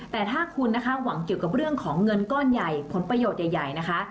แต่ถ้าคุณนะคะหวังเกี่ยวกับเรื่องของเงินก้อนใหญ่ผลประโยชน์ใหญ่นะคะ